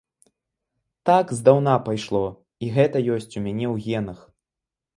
Так здаўна пайшло, і гэта ёсць у мяне ў генах.